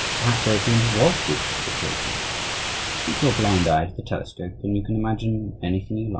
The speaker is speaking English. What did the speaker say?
Perhaps opium was good for children. Keep your blind eye to the telescope and you can imagine anything you like.